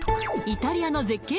イタリアの絶景